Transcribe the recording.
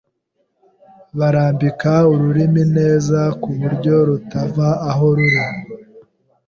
barambika ururimi neza ku buryo rutava aho ruri